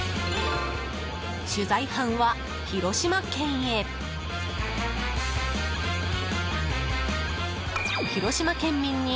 取材班は広島県へ！